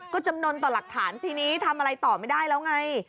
ก็จำนวนต่อหลักฐานทีนี้ทำอะไรต่อไม่ได้แล้วไง